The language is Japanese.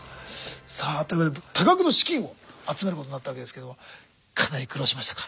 さあというわけで多額の資金を集めることになったわけですけどもかなり苦労しましたか？